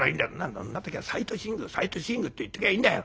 「そんな時はサイトシーイングって言っときゃいいんだよ」。